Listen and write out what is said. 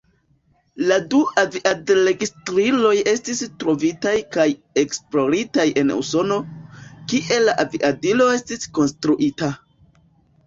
La du aviad-registriloj estis trovitaj kaj esploritaj en Usono, kie la aviadilo estis konstruita.